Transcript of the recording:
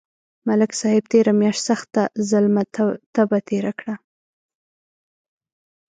ملک صاحب تېره میاشت سخته ظلمه تبه تېره کړه.